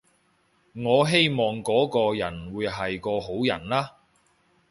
我希望嗰個人會係個好人啦